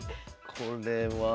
これは。